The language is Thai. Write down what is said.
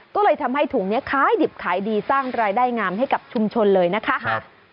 ก็เลยทำให้ถุงนี้ขายดิบขายดีสร้างรายได้งามให้กับชุมชนเลยนะคะ